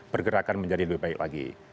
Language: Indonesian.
pergerakan menjadi lebih baik lagi